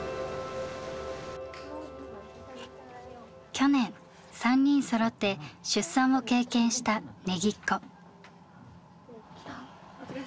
去年３人そろって出産を経験したＮｅｇｉｃｃｏ。